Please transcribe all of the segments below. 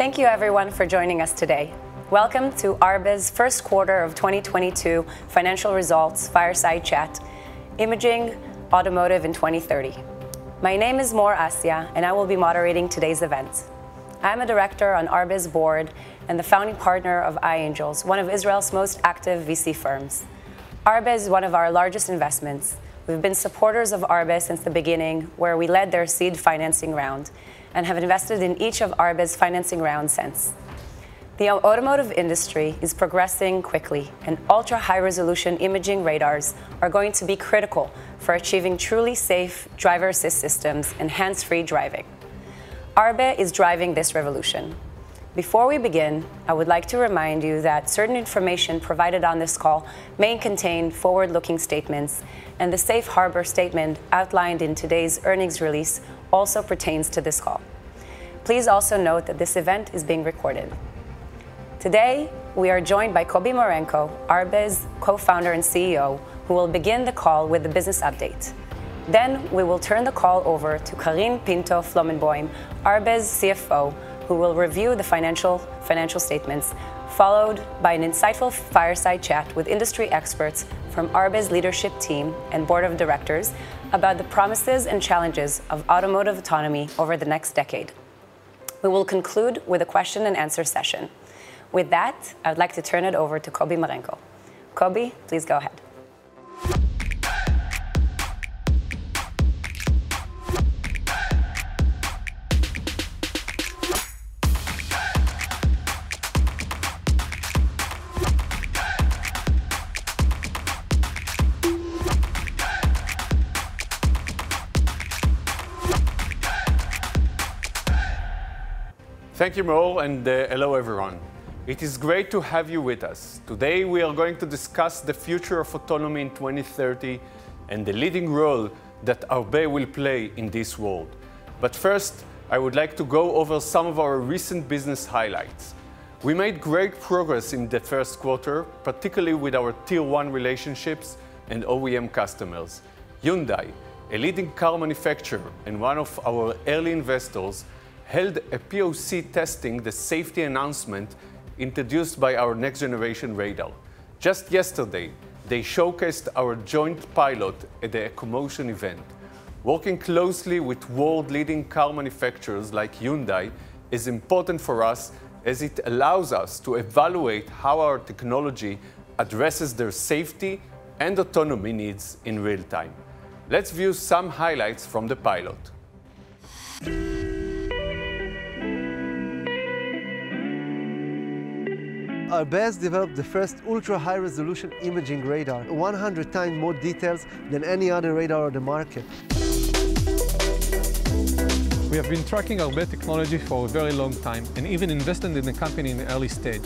Thank you everyone for joining us today. Welcome to Arbe's first quarter of 2022 financial results, Fireside Chat: Imaging Automotive in 2030. My name is Mor Assia, and I will be moderating today's event. I'm a director on Arbe's board, and the founding partner of iAngels, one of Israel's most active VC firms. Arbe is one of our largest investments. We've been supporters of Arbe since the beginning, where we led their seed financing round, and have invested in each of Arbe's financing rounds since. The automotive industry is progressing quickly, and ultra-high-resolution imaging radars are going to be critical for achieving truly safe driver-assist systems and hands-free driving. Arbe is driving this revolution. Before we begin, I would like to remind you that certain information provided on this call may contain forward-looking statements, and the safe harbor statement outlined in today's earnings release also pertains to this call. Please also note that this event is being recorded. Today, we are joined by Kobi Marenko, Arbe's co-founder and CEO, who will begin the call with the business update. Then we will turn the call over to Karine Pinto-Flomenboim, Arbe's CFO, who will review the financial statements, followed by an insightful fireside chat with industry experts from Arbe's leadership team and board of directors about the promises and challenges of automotive autonomy over the next decade. We will conclude with a question and answer session. With that, I would like to turn it over to Kobi Marenko. Kobi, please go ahead. Thank you, Mor, and hello, everyone. It is great to have you with us. Today, we are going to discuss the future of autonomy in 2030, and the leading role that Arbe will play in this world. First, I would like to go over some of our recent business highlights. We made great progress in the first quarter, particularly with our tier one relationships, and OEM customers. Hyundai, a leading car manufacturer, and one of our early investors, held a POC testing the safety enhancement introduced by our next-generation radar. Just yesterday, they showcased our joint pilot at their KOMOTION event. Working closely with world-leading car manufacturers like Hyundai is important for us, as it allows us to evaluate how our technology addresses their safety and autonomy needs in real time. Let's view some highlights from the pilot. Arbe's developed the first ultra-high-resolution imaging radar, 100 times more details than any other radar on the market. We have been tracking Arbe technology for a very long time and even invested in the company in the early stage.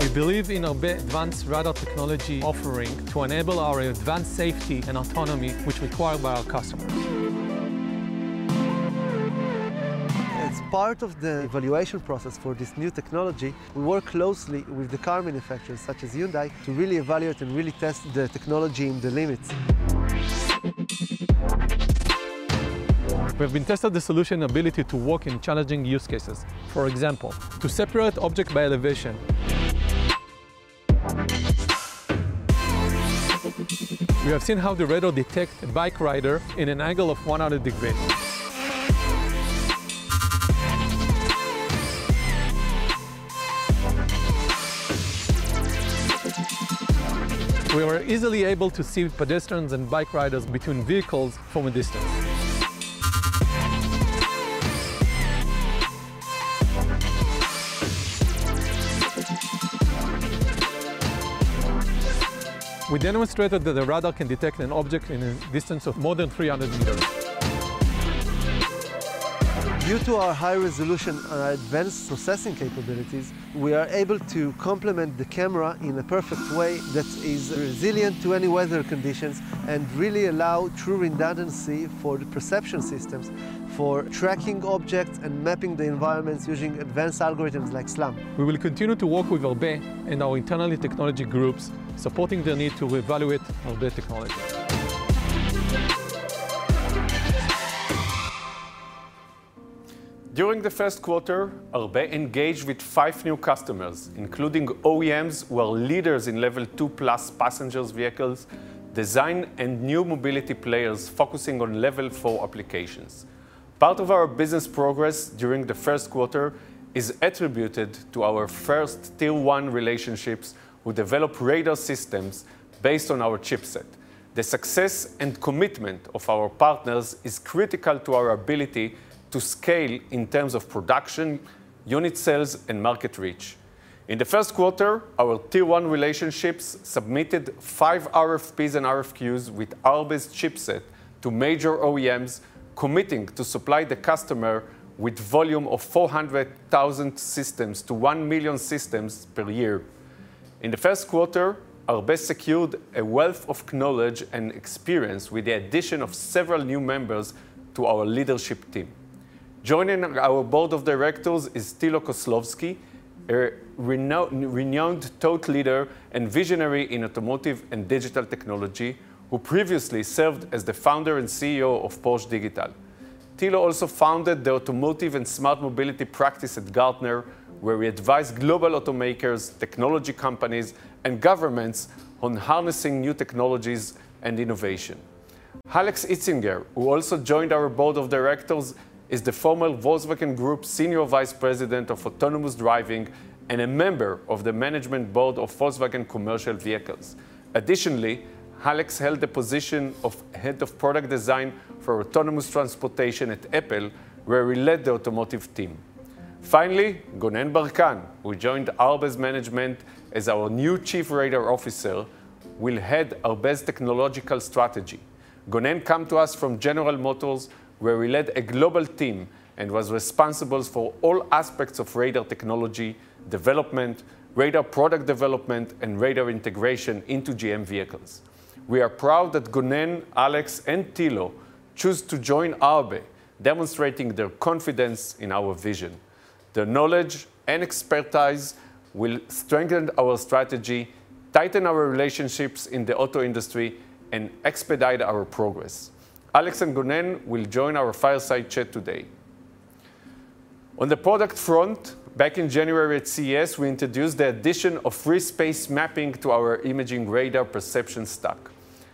We believe in Arbe advanced radar technology offering to enable our advanced safety and autonomy, which required by our customers. As part of the evaluation process for this new technology, we work closely with the car manufacturers such as Hyundai to really evaluate and really test the technology in the limits. We've tested the solution ability to work in challenging use cases. For example, to separate object by elevation. We have seen how the radar detect bike rider in an angle of 100 degrees. We were easily able to see pedestrians and bike riders between vehicles from a distance. We demonstrated that the radar can detect an object in a distance of more than 300 meters. Due to our high resolution and advanced processing capabilities, we are able to complement the camera in a perfect way that is resilient to any weather conditions, and really allow true redundancy for the perception systems for tracking objects and mapping the environments using advanced algorithms like SLAM. We will continue to work with Arbe, and our internal technology groups, supporting their need to evaluate Arbe technology. During the first quarter, Arbe engaged with five new customers, including OEMs who are leaders in level two plus passenger vehicles, design, and new mobility players focusing on level four applications. Part of our business progress during the first quarter is attributed to our first tier-one relationships who develop radar systems based on our chipset. The success and commitment of our partners is critical to our ability to scale in terms of production, unit sales, and market reach. In the first quarter, our tier-one relationships submitted five RFPs and RFQs with Arbe's chipset to major OEMs, committing to supply the customer with volume of 400,000 systems to 1,000,000 systems per year. In the first quarter, Arbe secured a wealth of knowledge and experience with the addition of several new members to our leadership team. Joining our board of directors is Thilo Koslowski, a renowned thought leader and visionary in automotive and digital technology, who previously served as the founder and CEO of Porsche Digital. Thilo also founded the Automotive and Smart Mobility practice at Gartner, where we advise global automakers, technology companies, and governments on harnessing new technologies and innovation. Alexander Hitzinger, who also joined our board of directors, is the former Volkswagen Group Senior Vice President of Autonomous Driving and a member of the management board of Volkswagen Commercial Vehicles. Additionally, Alex held the position of Head of Product Design for Autonomous Transportation at Apple, where he led the automotive team. Finally, Gonen Barkan, who joined Arbe's management as our new Chief Radar Officer, will head Arbe's technological strategy. Gonen comes to us from General Motors, where he led a global team and was responsible for all aspects of radar technology development, radar product development, and radar integration into GM vehicles. We are proud that Gonen, Alex, and Thilo chose to join Arbe, demonstrating their confidence in our vision. Their knowledge and expertise will strengthen our strategy, tighten our relationships in the auto industry, and expedite our progress. Alex and Gonen will join our fireside chat today. On the product front, back in January at CES, we introduced the addition of Free Space Mapping to our Imaging Radar perception stack.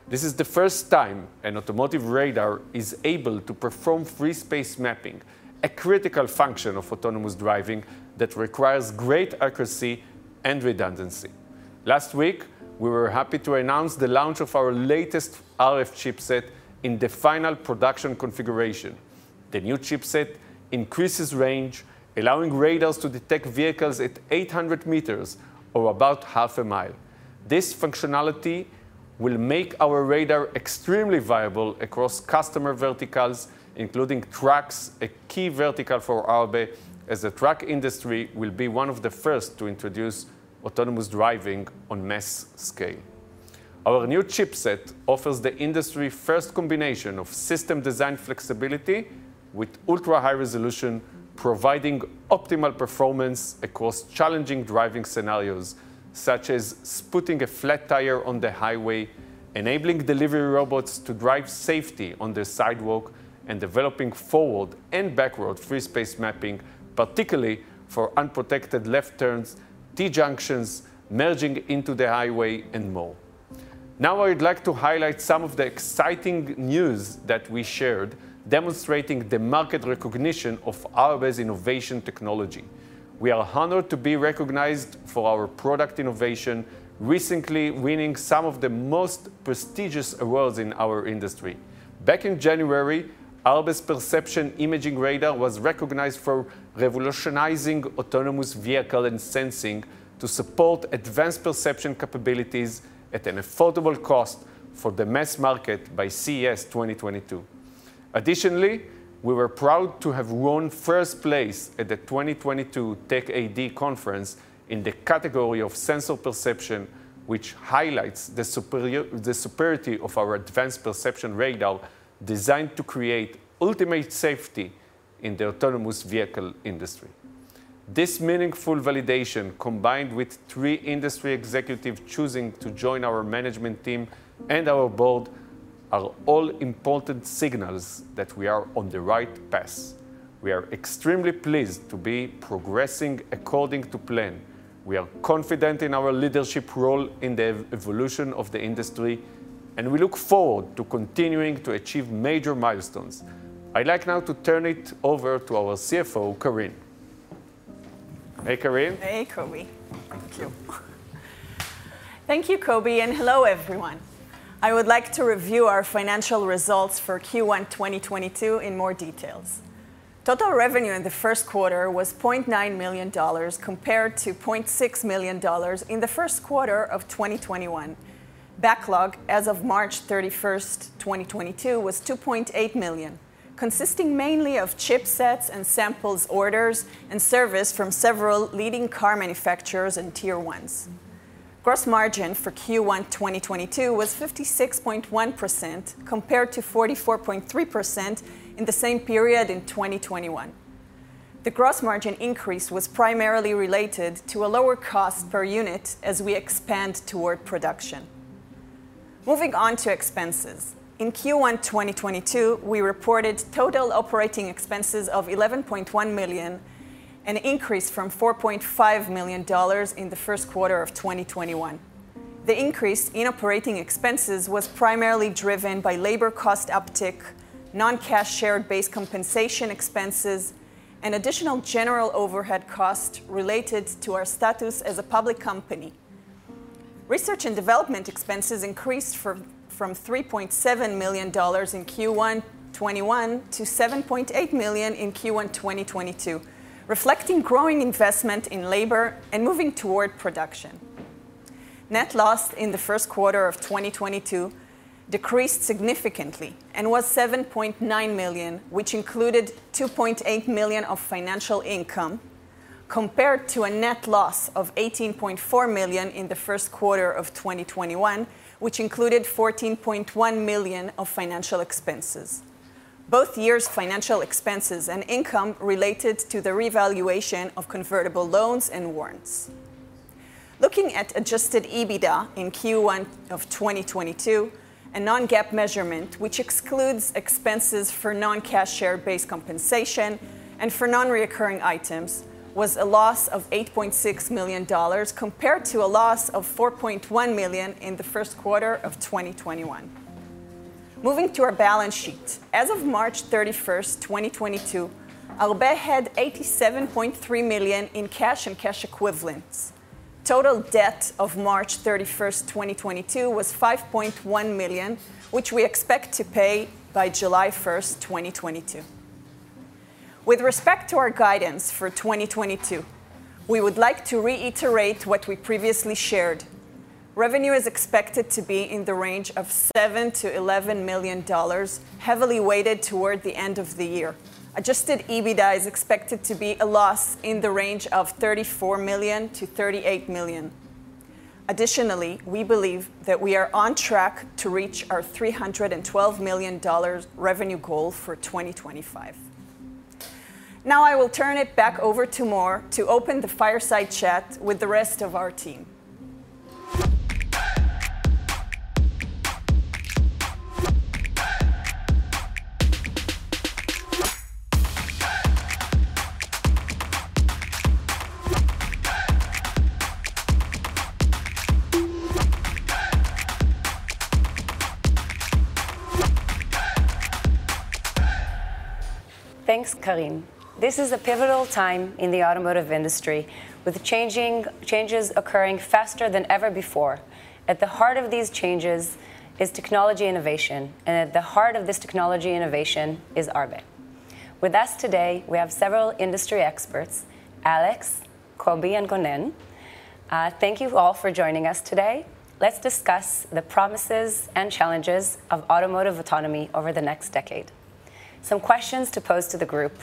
This is the first time an automotive radar is able to perform Free Space Mapping, a critical function of autonomous driving, that requires great accuracy and redundancy. Last week, we were happy to announce the launch of our latest RF chipset in the final production configuration. The new chipset increases range, allowing radars to detect vehicles at 800 meters or about half a mile. This functionality will make our radar extremely viable across customer verticals, including trucks, a key vertical for Arbe, as the truck industry will be one of the first to introduce autonomous driving on mass scale. Our new chipset offers the industry-first combination of system design flexibility, with ultra-high resolution, providing optimal performance, across challenging driving scenarios, such as spotting a flat tire on the highway, enabling delivery robots to drive safely on the sidewalk, and developing forward and backward free space mapping, particularly for unprotected left turns, T-junctions, merging into the highway, and more. Now I'd like to highlight some of the exciting news that we shared demonstrating the market recognition of Arbe's innovative technology. We are honored to be recognized for our product innovation, recently winning some of the most prestigious awards in our industry. Back in January, Arbe's perception imaging radar was recognized for revolutionizing autonomous vehicle and sensing to support advanced perception capabilities at an affordable cost for the mass market by CES 2022. Additionally, we were proud to have won first place at the 2022 Tech.AD Europe in the category of sensor perception, which highlights the superiority of our advanced perception radar, designed to create ultimate safety in the autonomous vehicle industry. This meaningful validation, combined with three industry executives choosing to join our management team and our board, are all important signals that we are on the right path. We are extremely pleased to be progressing according to plan. We are confident in our leadership role in the EV evolution of the industry, and we look forward to continuing to achieve major milestones. I'd like now to turn it over to our CFO, Karine. Hey, Karine. Hey, Kobi. Thank you. Thank you, Kobi, and hello, everyone. I would like to review our financial results for Q1 2022 in more details. Total revenue in the first quarter was $0.9 million compared to $0.6 million in the first quarter of 2021. Backlog as of March 31, 2022 was $2.8 million, consisting mainly of chipsets and samples, orders, and service from several leading car manufacturers and tier ones. Gross margin for Q1 2022 was 56.1% compared to 44.3% in the same period in 2021. The gross margin increase was primarily related to a lower cost per unit as we expand toward production. Moving on to expenses. In Q1 2022, we reported total operating expenses of $11.1 million, an increase from $4.5 million in the first quarter of 2021. The increase in operating expenses was primarily driven by, labor cost uptick, non-cash share-based compensation expenses, and additional general overhead costs related to our status as a public company. Research and development expenses increased from $3.7 million in Q1 2021, to $7.8 million in Q1 2022, reflecting growing investment in labor and moving toward production. Net loss in the first quarter of 2022 decreased significantly and was $7.9 million, which included $2.8 million of financial income, compared to a net loss of $18.4 million in the first quarter of 2021, which included $14.1 million of financial expenses. Both years' financial expenses and income related to the revaluation of convertible loans and warrants. Looking at adjusted EBITDA in Q1 of 2022, a non-GAAP measurement which excludes expenses for non-cash share-based compensation, and for non-recurring items, was a loss of $8.6 million compared to a loss of $4.1 million in the first quarter of 2021. Moving to our balance sheet. As of March 31st, 2022, Arbe had $87.3 million in cash and cash equivalents. Total debt as of March 31st, 2022 was $5.1 million, which we expect to pay by July 1st, 2022. With respect to our guidance for 2022, we would like to reiterate what we previously shared. Revenue is expected to be in the range of $7 to $11 million, heavily weighted toward the end of the year. Adjusted EBITDA is expected to be a loss in the range of $34 million to $38 million. Additionally, we believe that we are on track to reach our $312 million revenue goal for 2025. Now, I will turn it back over to Mor to open the fireside chat with the rest of our team. Thanks, Karine. This is a pivotal time in the automotive industry, with changes occurring faster than ever before. At the heart of these changes, is technology innovation, and at the heart of this technology innovation is Arbe. With us today, we have several industry experts, Alex, Kobi, and Gonen. Thank you all for joining us today. Let's discuss the promises and challenges of automotive autonomy over the next decade. Some questions to pose to the group.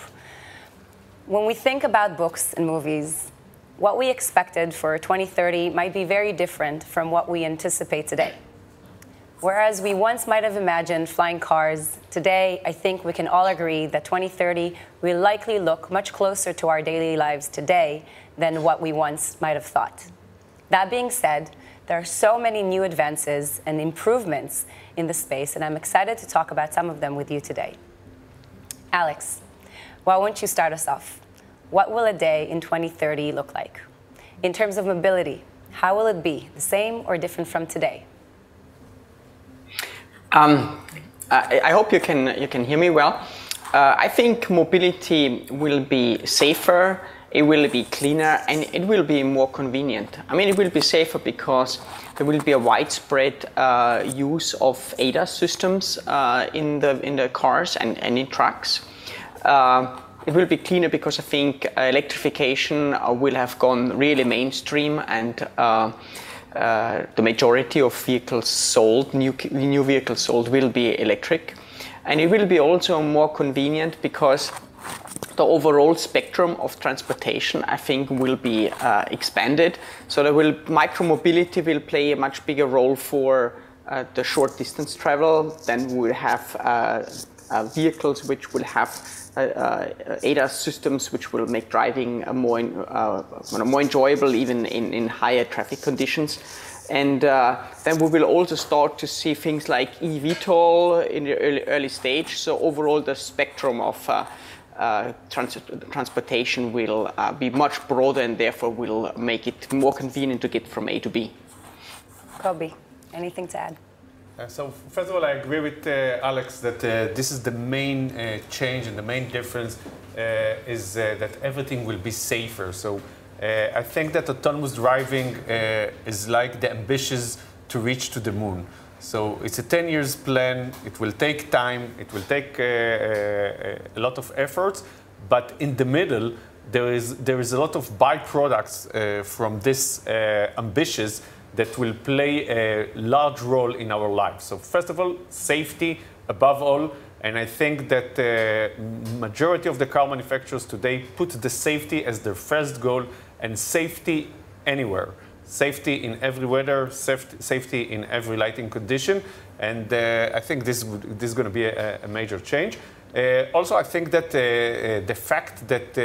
When we think about books and movies, what we expected for 2030 might be very different from what we anticipate today. Whereas we once might have imagined flying cars, today, I think we can all agree that 2030 will likely look much closer to our daily lives today, than what we once might have thought. That being said, there are so many new advances and improvements in this space, and I'm excited to talk about some of them with you today. Alex, why don't you start us off? What will a day in 2030 look like? In terms of mobility, how will it be, the same or different from today? I hope you can hear me well. I think mobility will be safer, it will be cleaner, and it will be more convenient. I mean, it will be safer because there will be a widespread use of ADAS systems in the cars and in trucks. It will be cleaner because I think electrification will have gone really mainstream and the majority of new vehicles sold will be electric. It will be also more convenient, because the overall spectrum of transportation, I think, will be expanded. Micro mobility will play a much bigger role for the short distance travel. We'll have vehicles which will have ADAS systems, which will make driving more enjoyable even in higher traffic conditions. We will also start to see things like eVTOL in the early stage. Overall, the spectrum of transportation will be much broader and therefore will make it more convenient to get from A to B. Kobi, anything to add? First of all, I agree with Alex that this is the main change and the main difference is that everything will be safer. I think that autonomous driving is like the ambitions to reach to the moon. It's a 10 years plan. It will take time. It will take a lot of effort. In the middle, there is a lot of byproducts from this ambitions that will play a large role in our lives. First of all, safety above all, and I think that the majority of the car manufacturers today put the safety as their first goal and safety anywhere, safety in every weather, safety in every lighting condition. I think this is gonna be a major change. Also, I think that the fact that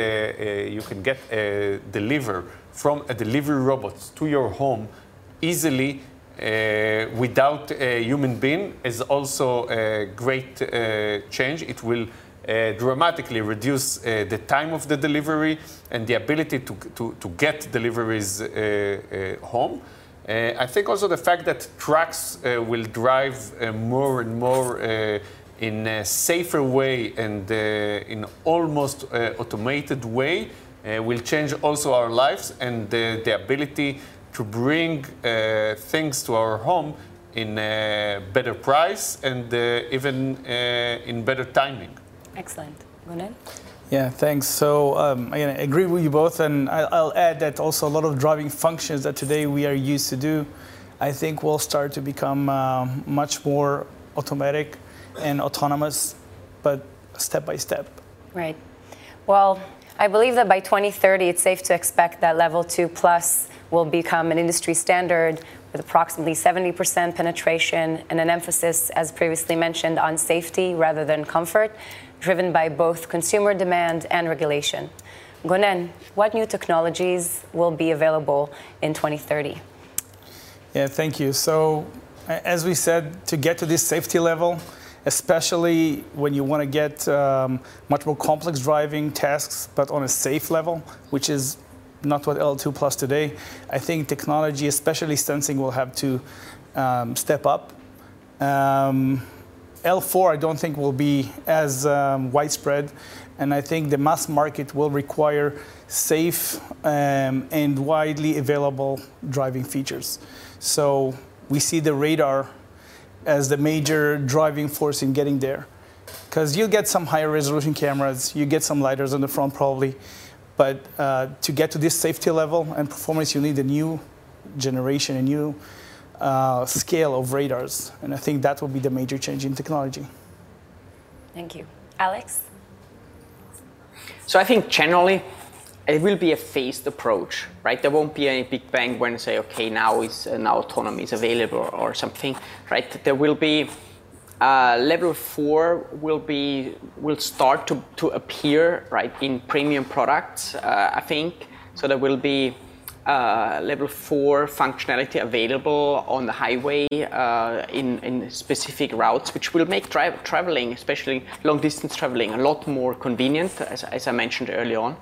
you can get a delivery from a delivery robot to your home easily without a human being is also a great change. It will dramatically reduce the time of the delivery and the ability to get deliveries home. I think also the fact that trucks will drive more and more in a safer way and in almost automated way, will change also our lives and the ability to bring things to our home in a better price and even in better timing. Excellent. Gonen? Yeah. Thanks. I agree with you both, and I'll add that also a lot of driving functions that today we are used to do, I think will start to become much more automatic and autonomous, but step by step. Right. Well, I believe that by 2030 it's safe to expect that L2+ will become an industry standard with approximately 70% penetration and an emphasis, as previously mentioned, on safety rather than comfort, driven by both consumer demand and regulation. Gonen, what new technologies will be available in 2030? Yeah, thank you. As we said, to get to this safety level, especially when you wanna get much more complex driving tasks but on a safe level, which is not what L2+ today, I think technology, especially sensing, will have to step up. L4 I don't think will be as widespread, and I think the mass market will require safe and widely available driving features. We see the radar as the major driving force in getting there, because you get some higher resolution cameras, you get some LiDARs on the front probably, but to get to this safety level and performance, you need a new generation, a new scale of radars, and I think that will be the major change in technology. Thank you. Alex? I think generally it will be a phased approach, right? There won't be any big bang when you say, okay, now autonomy is available or something, right? There will be level four will start to appear, right, in premium products, I think. There will be level four functionality available on the highway, in specific routes, which will make traveling, especially long-distance traveling, a lot more convenient, as I mentioned early on.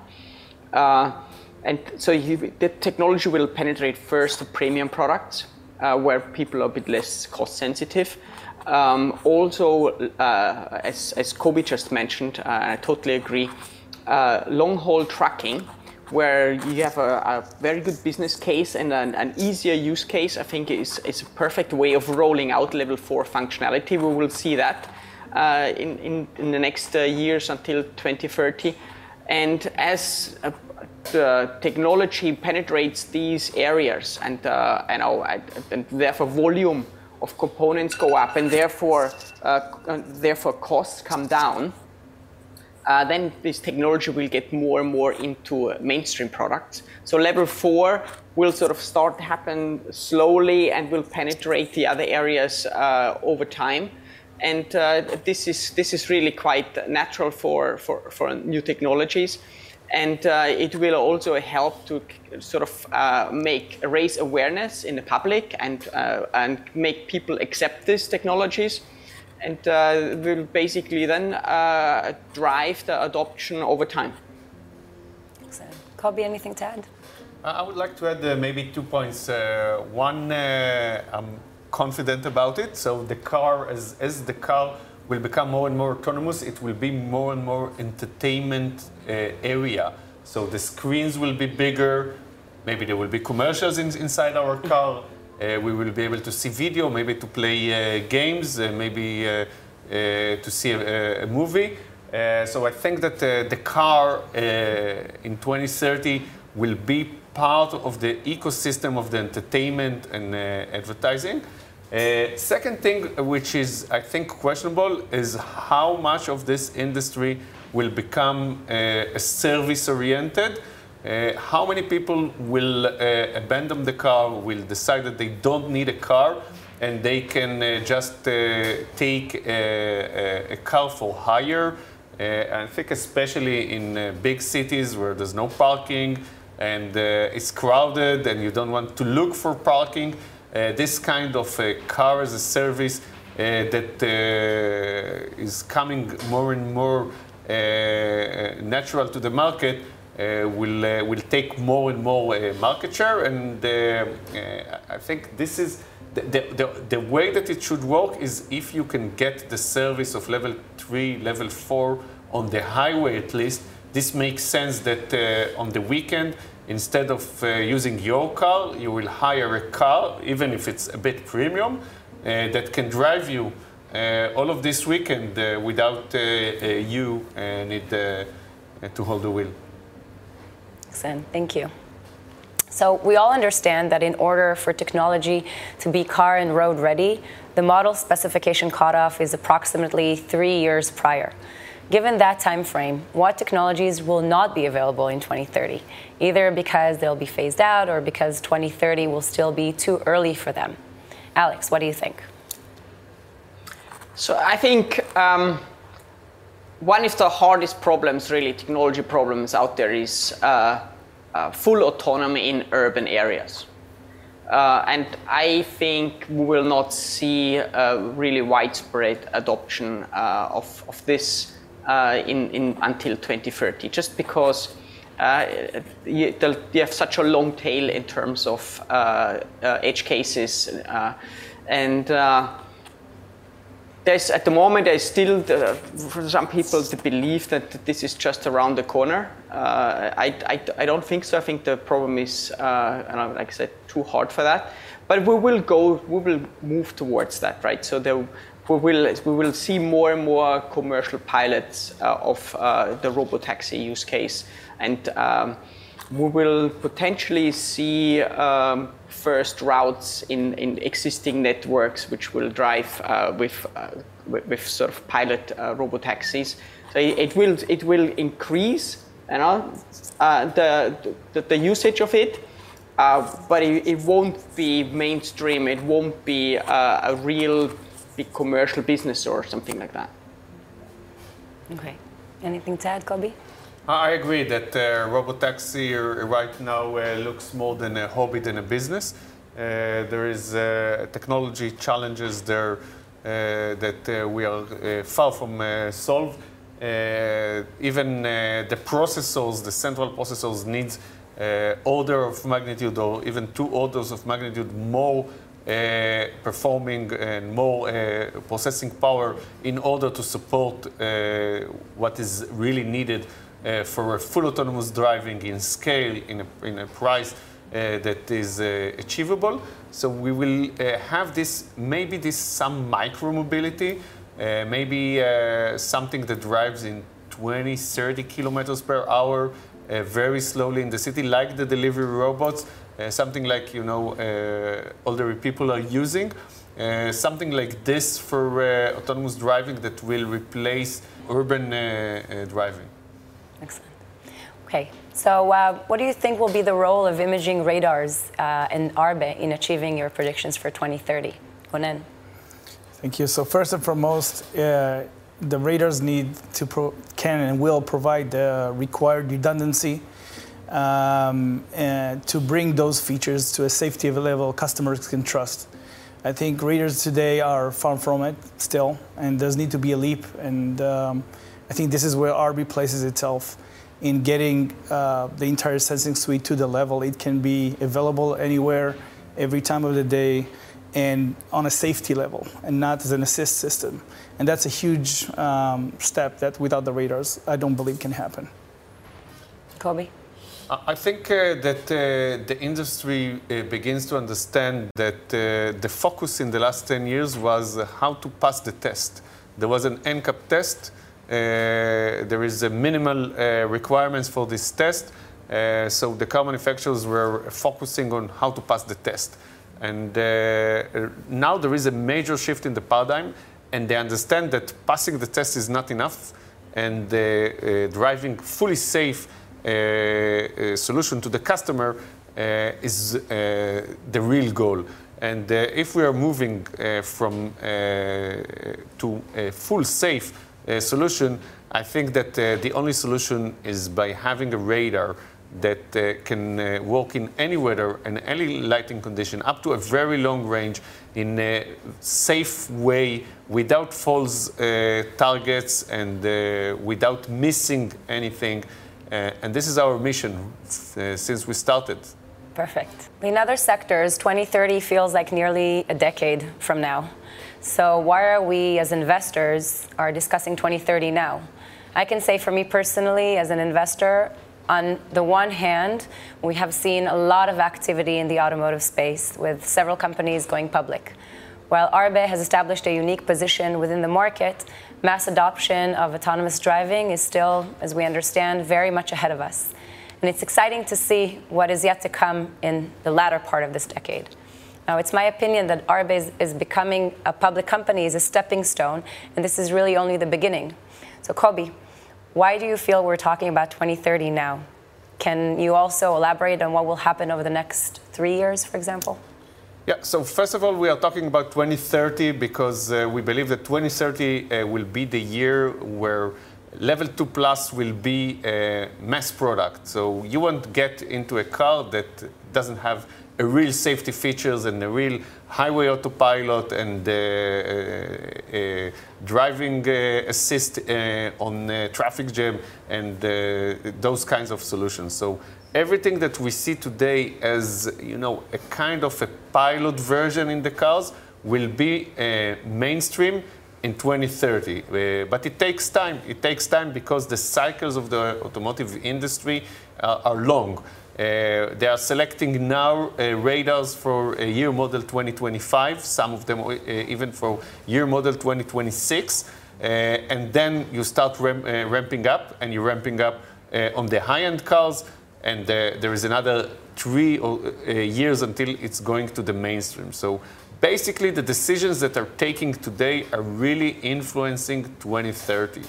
The technology will penetrate first the premium products, where people are a bit less cost sensitive. As Kobi just mentioned, I totally agree, long-haul trucking, where you have a very good business case, and an easier use case, I think is a perfect way of rolling out level four functionality. We will see that in the next years until 2030. As the technology penetrates these areas and therefore volume of components go up, and therefore costs come down, then this technology will get more and more into mainstream products. Level four will sort of start to happen slowly, and will penetrate the other areas over time. This is really quite natural for new technologies. It will also help to sort of raise awareness in the public and make people accept these technologies and will basically then drive the adoption over time. Excellent. Kobi, anything to add? I would like to add maybe two points. One, I'm confident about it, so the car, as the car will become more and more autonomous, it will be more and more entertainment area. The screens will be bigger, maybe there will be commercials inside our car. We will be able to see video, maybe to play games, maybe to see a movie. I think that the car in 2030, will be part of the ecosystem of the entertainment and advertising. Second thing, which I think is questionable, is how much of this industry will become service-oriented. How many people will abandon the car, will decide that they don't need a car, and they can just take a car for hire? I think especially in big cities where there's no parking, and it's crowded and you don't want to look for parking, this kind of a car as a service that is coming more and more natural to the market, will take more and more market share. I think this is the way that it should work is if you can get the service of level three, level four on the highway at least. This makes sense that on the weekend instead of using your car, you will hire a car, even if it's a bit premium, that can drive you all of this weekend without you need to hold the wheel. Excellent. Thank you. We all understand that in order for technology to be car and road ready, the model specification cutoff is approximately three years prior. Given that timeframe, what technologies will not be available in 2030, either because they'll be phased out or because 2030 will still be too early for them? Alex, what do you think? I think one of the hardest problems really, technology problems out there is full autonomy in urban areas. I think we will not see a really widespread adoption of this until 2030, just because you have such a long tail in terms of edge cases. At the moment, there's still for some people the belief that this is just around the corner. I don't think so. I think the problem is and like I said too hard for that. We will move towards that, right? We will see more and more commercial pilots of the robotaxi use case. We will potentially see first routes in existing networks which will drive with sort of pilot robotaxis. It will increase the usage of it. It won't be mainstream. It won't be a real big commercial business or something like that. Okay. Anything to add, Kobi? I agree that robotaxi right now looks more like a hobby than a business. There is technology challenges there that we are far from solved. Even the processors, the central processors needs order of magnitude or even two orders of magnitude more performing, and more processing power in order to support what is really needed for a full autonomous driving at scale, at a price that is achievable. We will have this, maybe some micromobility, maybe something that drives at 20-30 kilometers per hour, very slowly in the city, like the delivery robots. Something like, you know, older people are using. Something like this for autonomous driving that will replace urban driving. Excellent. Okay. What do you think will be the role of imaging radars in Arbe in achieving your predictions for 2030? Gonen. Thank you. First and foremost, the radars need to can and will provide the required redundancy, to bring those features to a safety of a level customers can trust. I think radars today are far from it still, and there's need to be a leap. I think this is where Arbe places itself in getting the entire sensing suite to the level it can be available anywhere, every time of the day and on a safety level and not as an assist system. That's a huge step that without the radars I don't believe can happen. Kobi? I think the industry begins to understand that the focus in the last 10 years was how to pass the test. There was an NCAP test. There is a minimal requirements for this test. So the car manufacturers were focusing on how to pass the test. Now there is a major shift in the paradigm, and they understand that passing the test is not enough, and driving fully safe solution to the customer is the real goal. If we are moving from to a full safe solution, I think that the only solution is by having a radar that can work in any weather, and any lighting condition up to a very long range in a safe way without false targets and without missing anything. This is our mission since we started. Perfect. In other sectors, 2030 feels like nearly a decade from now. Why are we as investors are discussing 2030 now? I can say for me personally as an investor, on the one hand, we have seen a lot of activity in the automotive space with several companies going public. While Arbe has established a unique position within the market, mass adoption of autonomous driving is still, as we understand, very much ahead of us. It's exciting to see what is yet to come in the latter part of this decade. Now, it's my opinion that Arbe is becoming a public company is a stepping stone, and this is really only the beginning. Kobi, why do you feel we're talking about 2030 now? Can you also elaborate on what will happen over the next three years, for example? Yeah. First of all, we are talking about 2030 because we believe that 2030 will be the year where level two plus will be a mass product. You won't get into a car that doesn't have real safety features, And a real highway autopilot and driving assist on a traffic jam and those kinds of solutions. Everything that we see today as, you know, a kind of a pilot version in the cars will be mainstream in 2030. It takes time. It takes time because the cycles of the automotive industry are long. They are selecting now radars for a year model 2025, some of them even for year model 2026. You start ramping up on the high-end cars, and there is another three or four years until it's going to the mainstream. Basically, the decisions that they're taking today are really influencing 2030.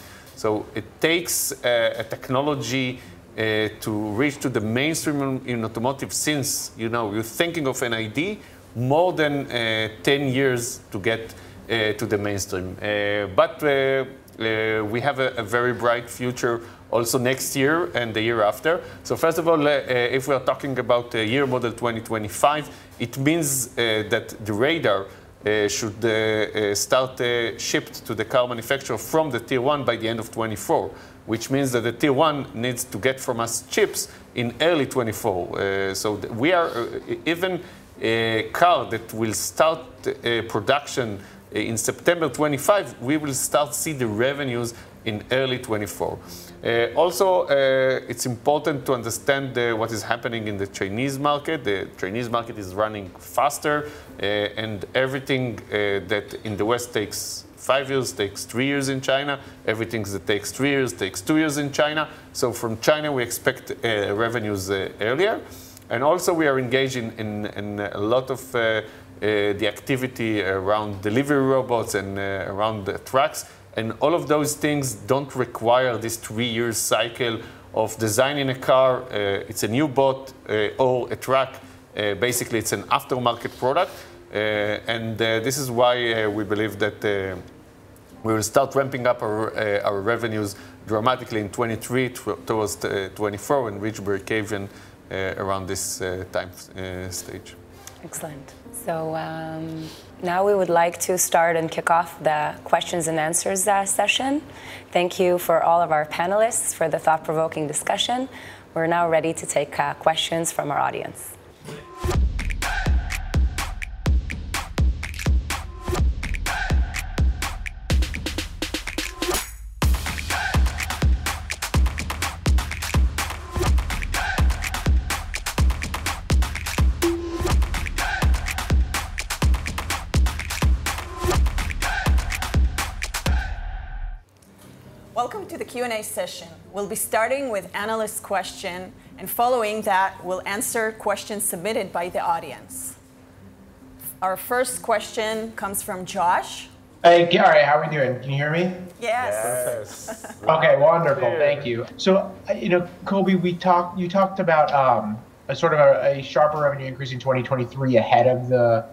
It takes a technology to reach to the mainstream in automotive, since you know, you're thinking of an ID more than 10 years to get to the mainstream. We have a very bright future also next year and the year after. First of all, if we are talking about a year model 2025, it means that the radar should start shipping to the car manufacturer from the Tier 1 by the end of 2024. Which means that the Tier 1 needs to get from us chips in early 2024. Even a car that will start production in September 2025, we will start to see the revenues in early 2024. Also, it's important to understand what is happening in the Chinese market. The Chinese market is running faster, and everything that in the West takes Five years, takes three years in China. Everything that takes three years, takes two years in China. From China, we expect revenues earlier. Also we are engaging in a lot of the activity around delivery robots and around the trucks. All of those things don't require this three-year cycle of designing a car. It's a new bot or a truck. Basically it's an aftermarket product. This is why we believe that we will start ramping up our revenues dramatically in 2023 towards 2024 and reach breakeven around this time stage. Excellent. Now we would like to start and kick off the questions and answers session. Thank you for all of our panelists, for the thought-provoking discussion. We're now ready to take questions from our audience. Welcome to the Q&A session. We'll be starting with analyst question, and following that, we'll answer questions submitted by the audience. Our first question comes from Josh. Hey, Kary. How are you doing? Can you hear me? Yes. Yes. Perfect. Okay, wonderful. Good. Thank you. You know, Kobi, you talked about a sort of a sharper revenue increase in 2023 ahead of the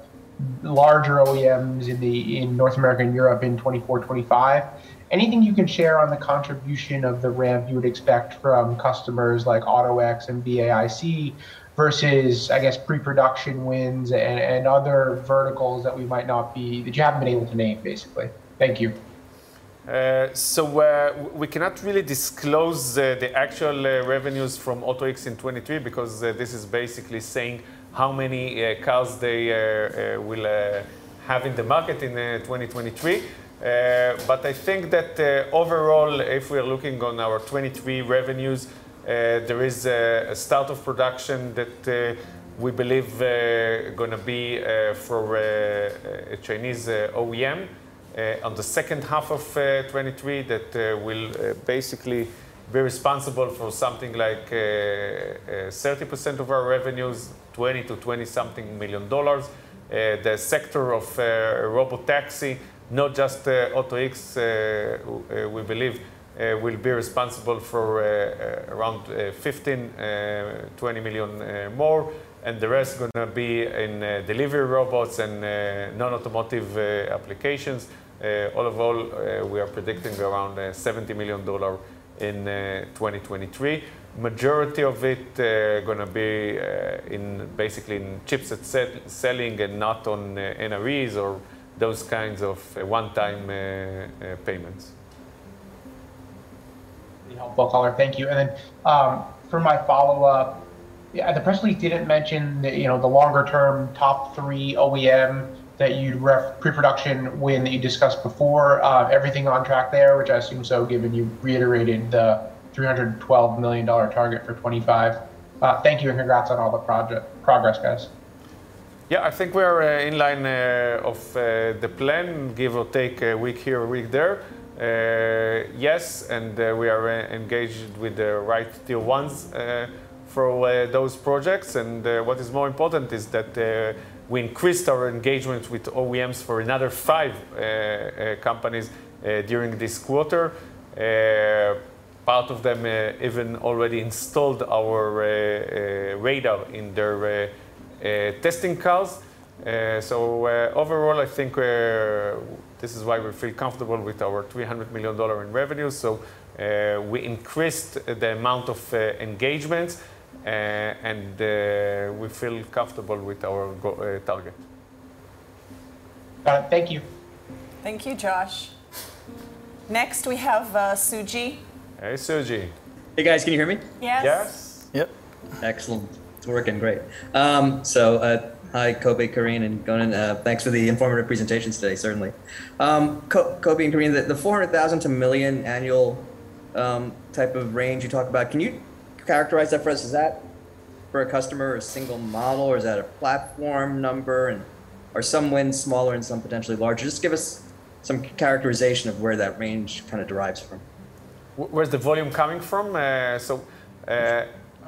larger OEMs in North America and Europe in 2024, 2025. Anything you can share on the contribution of the ramp you would expect from customers like AutoX and BAIC versus, I guess, pre-production wins and other verticals that you haven't been able to name, basically? Thank you. We cannot really disclose the actual revenues from AutoX in 2023 because this is basically saying how many cars they will have in the market in 2023. I think that overall, if we're looking on our 2023 revenues, there is a start of production that we believe gonna be for a Chinese OEM on the second half of 2023, that will basically be responsible for something like 30% of our revenues, $20-$20-something million. The sector of robotaxi, not just AutoX, we believe will be responsible for around $15-$20 million more, and the rest gonna be in delivery robots and non-automotive applications. All in all, we are predicting around $70 million in 2023. Majority of it gonna be in basically chips that we're selling and not on NREs or those kinds of one-time payments. You know, ball Kobi. Thank you. For my follow-up, yeah, the press release didn't mention the, you know, the longer term top three OEM that you'd pre-production win that you discussed before. Everything on track there, which I assume so, given you reiterated the $312 million target for 2025. Thank you, and congrats on all the progress, guys. Yeah. I think we're in line with the plan, give or take a week here, a week there. Yes, we are engaged with the right Tier 1s for those projects. What is more important is that we increased our engagement with OEMs for another five companies during this quarter. Part of them even already installed our radar in their testing cars. Overall, I think this is why we feel comfortable with our $300 million in revenue. We increased the amount of engagement, and we feel comfortable with our target. Got it. Thank you. Thank you, Josh. Next, we have Suji. Hey, Suji. Hey, guys. Can you hear me? Yes. Yes. Yep. Excellent. It's working great. So, hi, Kobi, Karine, and Gonen. Thanks for the informative presentations today, certainly. Kobi and Karine, the $400,000-$1 million annual type of range you talked about, can you characterize that for us? Is that for a customer or a single model, or is that a platform number? Are some wins smaller and some potentially larger? Just give us some characterization of where that range kinda derives from. Where's the volume coming from?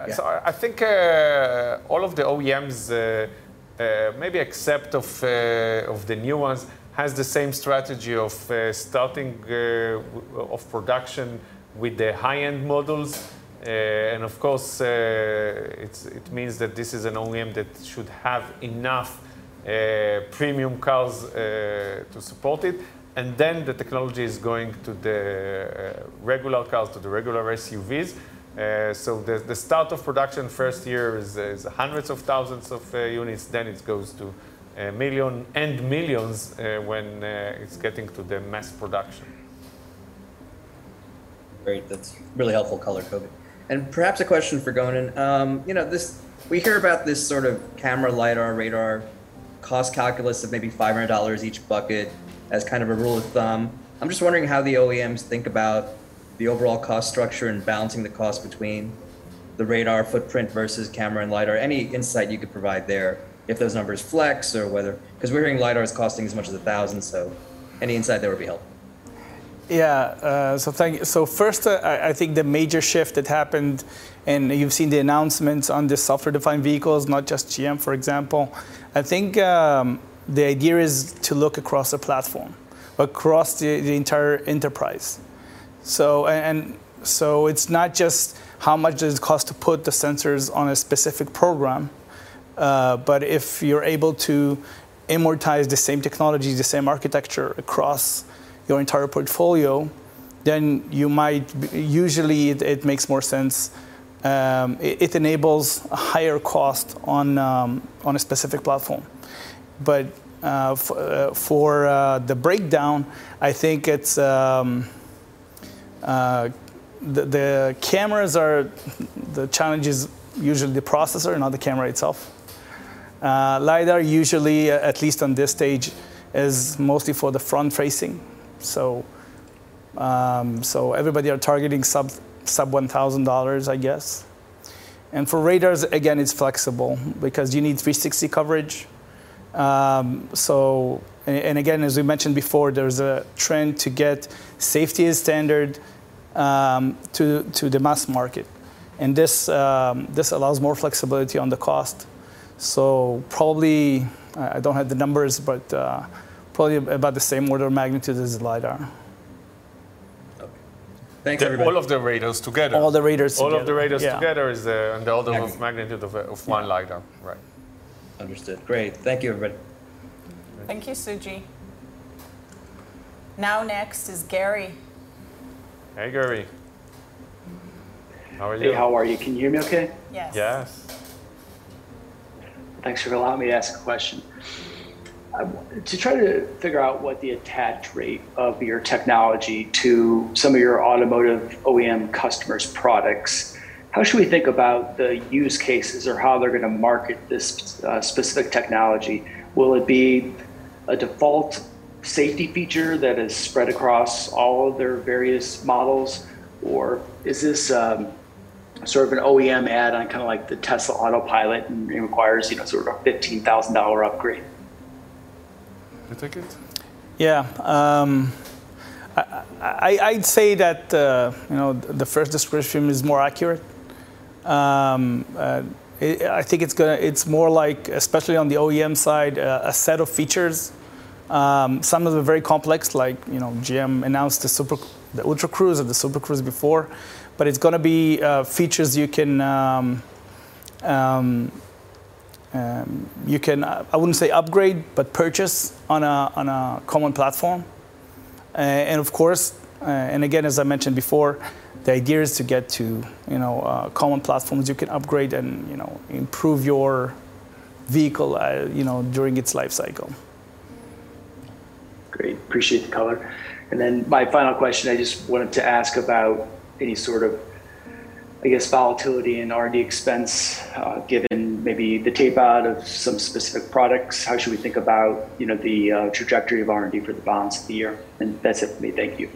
Yeah I think all of the OEMs, maybe except of the new ones, have the same strategy of starting of production with the high-end models. Of course, it means that this is an OEM that should have enough premium cars to support it. Then the technology is going to the regular cars, to the regular SUVs. The start of production first year, is hundreds of thousands of units, then it goes to millions and millions when it's getting to the mass production. Great. That's really helpful color, Kobi. Perhaps a question for Gonen. You know, this, we hear about this sort of camera, LiDAR, radar cost calculus of maybe $500 each bucket as kind of a rule of thumb. I'm just wondering how the OEMs think about the overall cost structure and balancing the cost between the radar footprint versus camera and LiDAR. Any insight you could provide there, if those numbers flex or whether 'cause we're hearing LiDAR is costing as much as $1,000. Any insight there would be helpful. Yeah. Thank you. First, I think the major shift that happened, and you've seen the announcements on the software-defined vehicles, not just GM, for example. I think the idea is to look across the platform, across the entire enterprise. It's not just how much does it cost to put the sensors on a specific program, but if you're able to amortize the same technology, the same architecture across your entire portfolio. Usually, it makes more sense. It enables a higher cost on a specific platform. For the breakdown, I think the challenge is usually the processor, not the camera itself. LIDAR usually, at least on this stage, is mostly for the front-facing. Everybody are targeting sub-$1,000, I guess. For radars, again, it's flexible because you need 360 coverage. Again, as we mentioned before, there's a trend to get safety as standard to the mass market. This allows more flexibility on the cost. Probably, I don't have the numbers, but probably about the same order of magnitude as LIDAR. Okay. Thanks, everybody. All of the radars together. All the radars together. All of the radars together. Yeah is the order of magnitude of one LIDAR. Right. Understood. Great. Thank you, everybody. Thank you, Suji. Now next is Gary. Hey, Gary. How are you? Hey, how are you? Can you hear me okay? Yes. Yes. Thanks for allowing me to ask a question. To try to figure out what the attach rate of your technology to some of your automotive OEM customers' products, how should we think about the use cases or how they're gonna market this specific technology? Will it be a default safety feature that is spread across all of their various models? Or is this sort of an OEM add-on, kinda like the Tesla Autopilot, and requires, you know, sort of a $15,000 upgrade? You take it? Yeah. I'd say that, you know, the first description is more accurate. I think it's more like, especially on the OEM side, a set of features. Some of them are very complex, like, you know, GM announced the Ultra Cruise or the Super Cruise before. But it's gonna be features you can, I wouldn't say upgrade, but purchase on a common platform. And of course, and again, as I mentioned before, the idea is to get to, you know, common platforms you can upgrade and, you know, improve your vehicle, you know, during its life cycle. Great. Appreciate the color. My final question, I just wanted to ask about any sort of, I guess, volatility in R&D expense, given maybe the tape-out of some specific products. How should we think about, you know, the trajectory of R&D for the balance of the year? That's it for me. Thank you.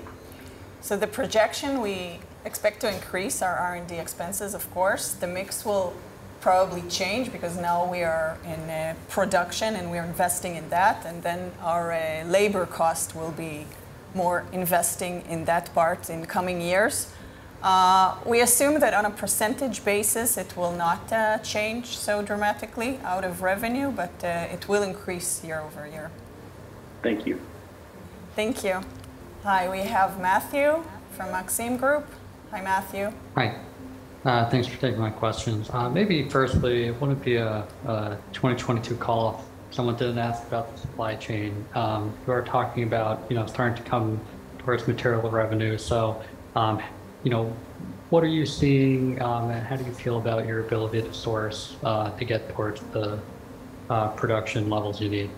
The projection, we expect to increase our R&D expenses, of course. The mix will probably change because now we are in production, and we are investing in that. Then our labor cost will be more investing in that part in the coming years. We assume that on a percentage basis, it will not change so dramatically out of revenue, but it will increase year-over-year. Thank you. Thank you. Hi, we have Matthew from Maxim Group. Hi, Matthew. Hi. Thanks for taking my questions. Maybe firstly, it wouldn't be a 2022 call if someone didn't ask about the supply chain. You are talking about, you know, starting to come towards material revenue. You know, what are you seeing, and how do you feel about your ability to source, to get towards the production levels you need?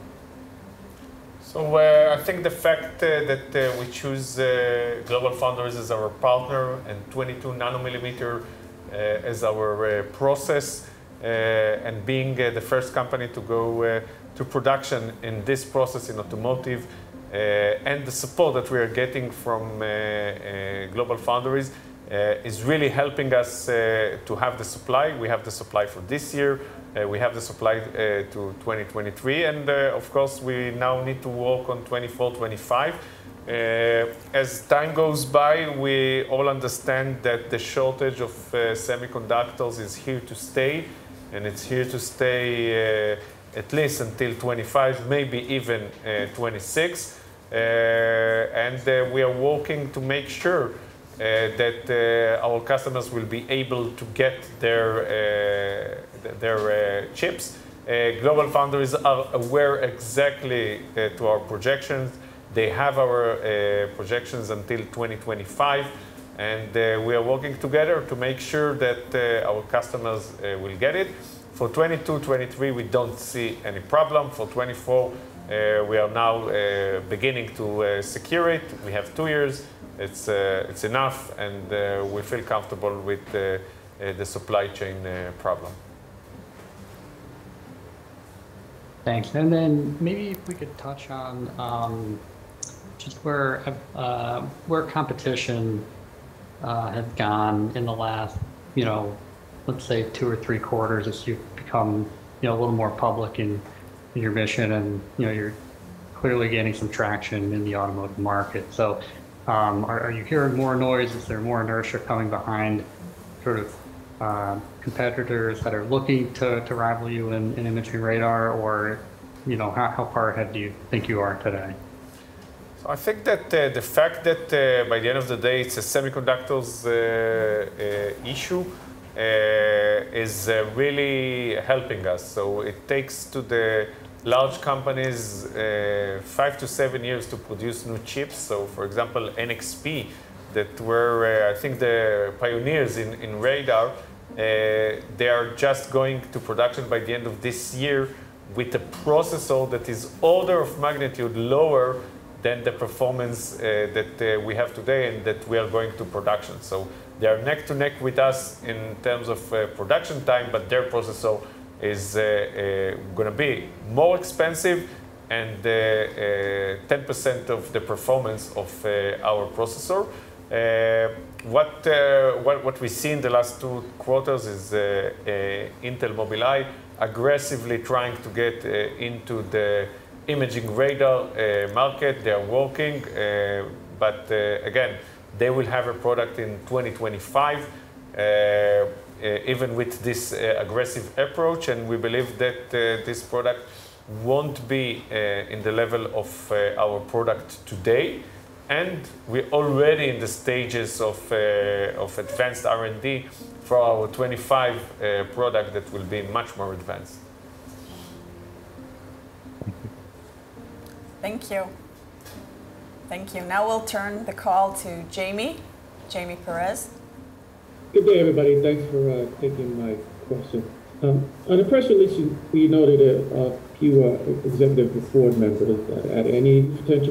I think the fact that we choose GlobalFoundries as our partner and 22 nanometer as our process and being the first company to go to production in this process in automotive, And the support that we are getting from GlobalFoundries is really helping us to have the supply. We have the supply for this year. We have the supply to 2023. Of course, we now need to work on 2024, 2025. As time goes by, we all understand that the shortage of semiconductors is here to stay, and it's here to stay at least until 2025, maybe even 2026. We are working to make sure that our customers will be able to get their chips. GlobalFoundries are aware exactly to our projections. They have our projections until 2025, and we are working together to make sure that our customers will get it. For 2022, 2023, we don't see any problem. For 2024, we are now beginning to secure it. We have two years. It's enough, and we feel comfortable with the supply chain problem. Thanks. Then maybe if we could touch on just where competition have gone in the last, you know, let's say two or three quarters as you've become, you know, a little more public in your mission and, you know, you're clearly gaining some traction in the automotive market. Are you hearing more noise? Is there more inertia coming behind sort of competitors that are looking to rival you in imaging radar? Or, you know, how far ahead do you think you are today? I think that the fact that by the end of the day, it's a semiconductor issue is really helping us. It takes the large companies five to seven years to produce new chips. For example, NXP that were, I think, the pioneers in radar, they are just going to production by the end of this year with a processor that is order of magnitude lower than the performance that we have today and that we are going to production. They are neck and neck with us in terms of production time, but their processor is gonna be more expensive and 10% of the performance of our processor. What we see in the last two quarters is Intel Mobileye aggressively trying to get into the imaging radar market. They are working, but again, they will have a product in 2025, even with this aggressive approach. We believe that this product won't be in the level of our product today. We're already in the stages of advanced R&D for our 2025 product that will be much more advanced. Thank you. Now we'll turn the call to Jamie. Jamie Perez. Good day, everybody. Thanks for taking my question. On the press release, you noted a few executive board members. Are you adding any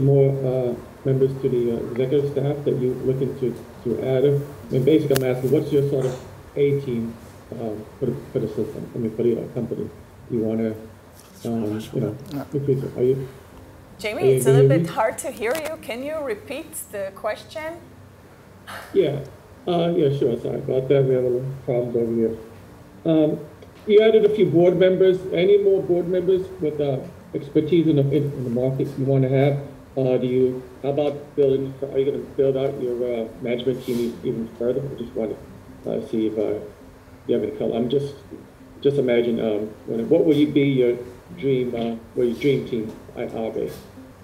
more members to the executive staff that you're looking to add? Basically, I'm asking, what's your sort of A team for the system, I mean, for your company? Do you wanna you know? It's too much work. Are you- Jamie, it's a little bit hard to hear you. Can you repeat the question? Yeah. Yeah, sure. Sorry about that. We have a little problem over here. You added a few board members. Any more board members with expertise in the markets you wanna have? Are you gonna build out your management team even further? I just wanted to see if you have any color. I'm just imagining, you know, what would be your dream or your dream team at Arbe?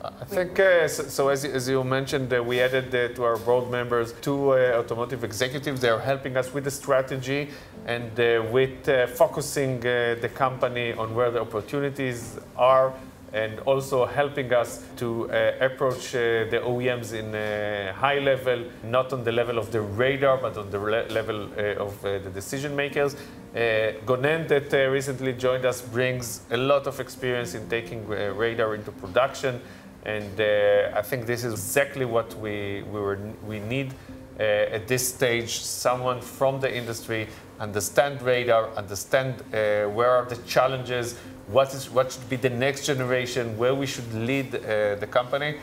I think, so as you mentioned, we added to our board members two automotive executives. They are helping us with the strategy and with focusing the company on where the opportunities are, and also helping us to approach the OEMs in a high level, not on the level of the radar, but on the level of the decision makers. Gonen that recently joined us brings a lot of experience in taking radar into production. I think this is exactly what we need at this stage, someone from the industry understand radar, understand where are the challenges, what is, what should be the next generation, where we should lead the company.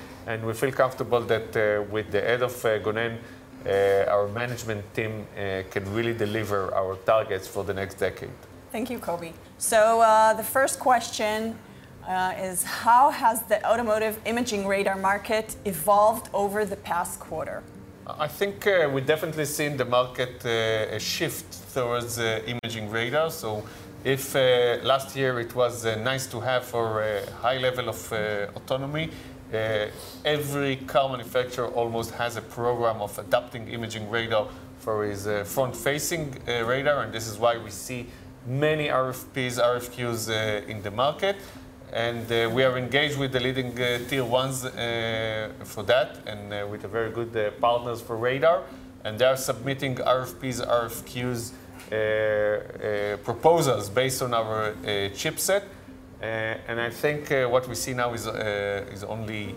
We feel comfortable that with the aid of Gonen, our management team can really deliver our targets for the next decade. Thank you, Kobi. The first question is: How has the automotive imaging radar market evolved over the past quarter? I think we've definitely seen the market shift towards imaging radar. Last year it was nice to have for a high level of autonomy. Every car manufacturer almost has a program of adopting imaging radar for its front-facing radar, and this is why we see many RFPs, RFQs in the market. We are engaged with the leading Tier 1s for that and with very good partners for radar. They are submitting RFPs, RFQs proposals based on our chipset. I think what we see now is only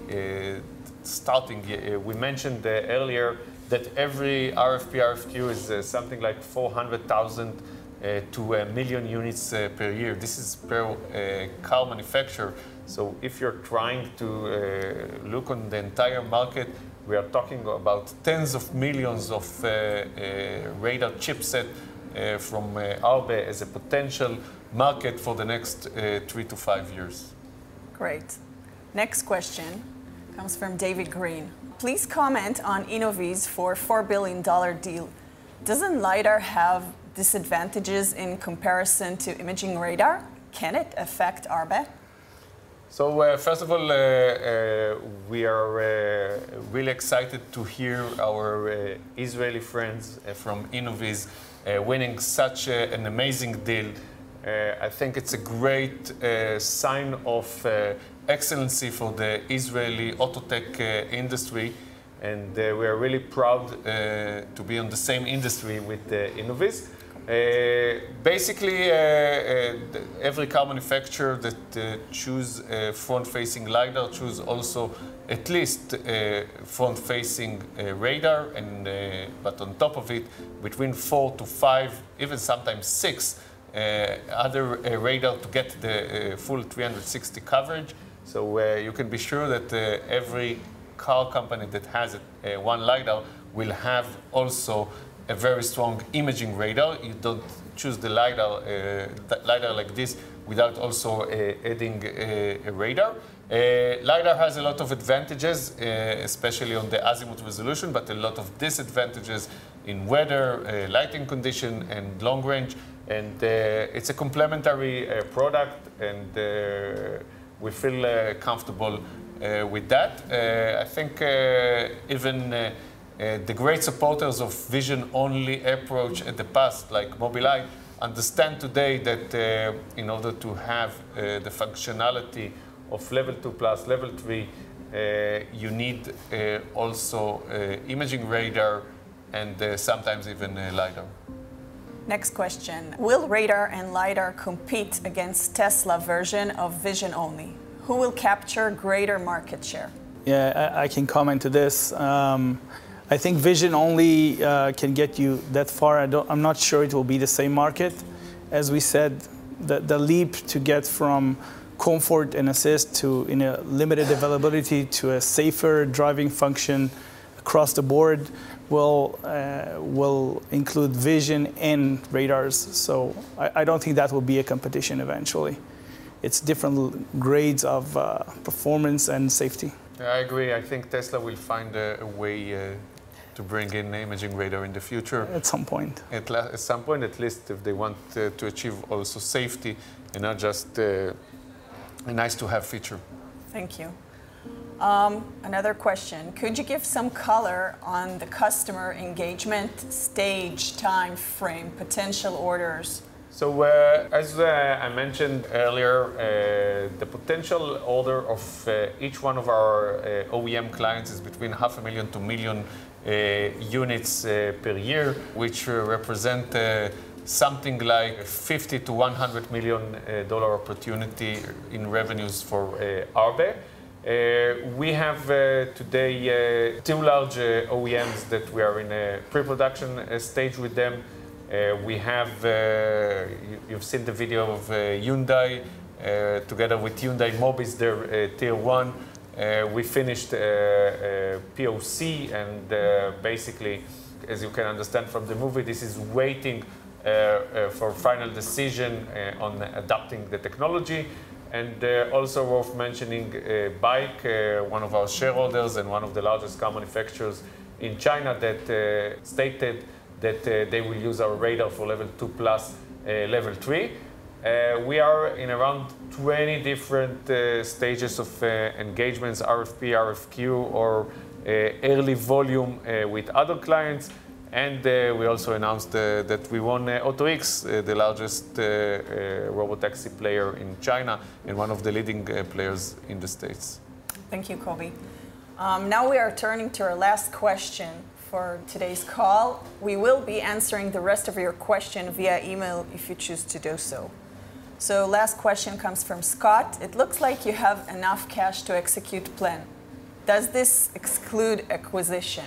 starting. We mentioned earlier that every RFP, RFQ is something like 400,000 to 1 million units per year. This is per car manufacturer. If you're trying to look on the entire market, we are talking about tens of millions of radar chipset from Arbe as a potential market for the next three to five years. Great. Next question comes from David Green. Please comment on Innoviz $4 billion deal. Doesn't LIDAR have disadvantages in comparison to imaging radar? Can it affect Arbe? First of all, we are really excited to hear our Israeli friends from Innoviz, winning such an amazing deal. I think it's a great sign of excellence for the Israeli auto tech industry, and we are really proud to be in the same industry with Innoviz. Basically, every car manufacturer that choose a front-facing LIDAR choose also at least a front-facing radar and, but on top of it, between four to five, even sometimes six, other radar to get the full 360 coverage. You can be sure that every car company that has one LIDAR will have also a very strong imaging radar. You don't choose the LIDAR like this without also adding a radar. LiDAR has a lot of advantages, especially on the azimuth resolution, but a lot of disadvantages in weather, lighting condition, and long range. It's a complementary product, and we feel comfortable with that. I think even the great supporters of vision-only approach in the past, like Mobileye, understand today that, in order to have the functionality of level two plus, level three, you need also imaging radar and sometimes even a LiDAR. Next question: Will radar and LIDAR compete against Tesla version of vision only? Who will capture greater market share? Yeah, I can comment to this. I think vision only can get you that far. I'm not sure it will be the same market. As we said, the leap to get from comfort and assist to, you know, limited availability to a safer driving function across the board will include vision and radars. I don't think that will be a competition eventually. It's different grades of performance and safety. Yeah, I agree. I think Tesla will find a way to bring in imaging radar in the future. At some point. At least at some point, at least if they want to achieve also safety and not just a nice-to-have feature. Thank you. Another question. Could you give some color on the customer engagement stage timeframe potential orders? As I mentioned earlier, the potential order of each one of our OEM clients is between 500,000-1,000,000 units per year, which represent something like $50-$100 million opportunity in revenues for Arbe. We have today two large OEMs that we are in a pre-production stage with them. We have. You've seen the video of Hyundai. Together with Hyundai Mobis, their Tier 1. We finished POC and basically, as you can understand from the movie, this is waiting for final decision on adopting the technology. Also worth mentioning, BAIC Group, one of our shareholders and one of the largest car manufacturers in China that stated that they will use our radar for Level Two plus, Level Three. We are in around 20 different stages of engagements, RFP, RFQ, or early volume with other clients. We also announced that we won AutoX, the largest robotaxi player in China and one of the leading players in the States. Thank you, Kobi. Now we are turning to our last question for today's call. We will be answering the rest of your question via email if you choose to do so. Last question comes from Scott: It looks like you have enough cash to execute plan. Does this exclude acquisition?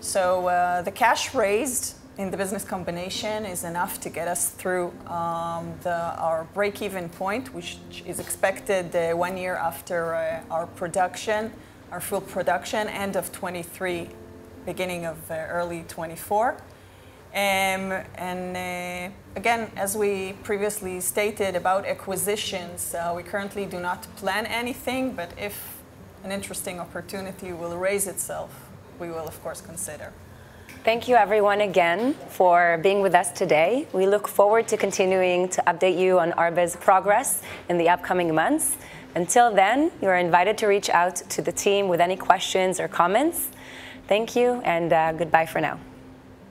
The cash raised in the business combination is enough to get us through our break-even point, which is expected one year after our full production, end of 2023, beginning of early 2024. Again, as we previously stated about acquisitions, we currently do not plan anything, but if an interesting opportunity will raise itself, we will of course consider. Thank you everyone again for being with us today. We look forward to continuing to update you on Arbe's progress in the upcoming months. Until then, you are invited to reach out to the team with any questions or comments. Thank you, and goodbye for now.